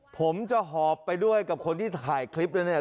ผมจะหอบไปด้วยกับคนที่ถ่ายคลิปแล้วเนี่ย